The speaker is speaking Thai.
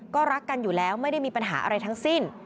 ก็รักกันอยู่แล้วไม่ได้มีปัญหาอะไรทั้งสิ้น